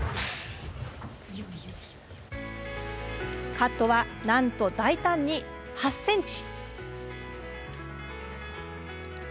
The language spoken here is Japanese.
カットはなんと大胆に８ｃｍ。